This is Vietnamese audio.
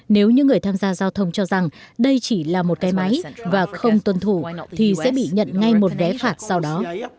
nếu những người tham gia giao thông cho rằng đây chỉ là một cái máy và không tuân thủ thì sẽ bị nhận ngay một đé phạt sau đó